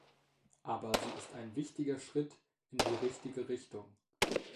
Aber sie ist ein wichtiger Schritt in die richtige Richtung.